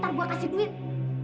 maksud lo apa sih mau beras